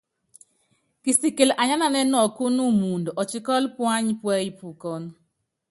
Kisikili anyánanɛ́ɛ́ nɔkúnɔ́ umɔɔd, ɔtikɔ́lɔ́ puányi púɛ́yí pukɔ́n.